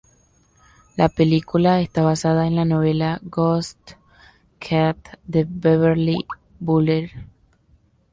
La película está basada en la novela Ghost Cat de Beverly Butler.